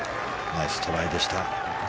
ナイストライでした。